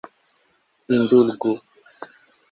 Indulgu!